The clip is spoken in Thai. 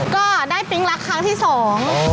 ก็ได้ปิ๊งรักครั้งที่สอง